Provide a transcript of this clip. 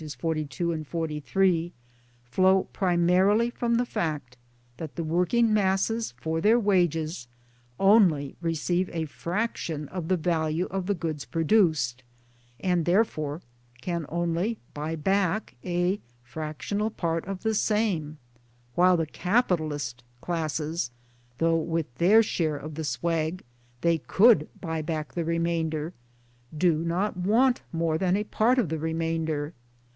42, 43) flow primarily from the fact that the working masses for their wages only receive a fraction of the value of the goods produced, and therefore can only buy back a fractional part of the same, while the capitalist classes (though with their share of the swag they could buy back the remainder) do not want more than a part of the remainder.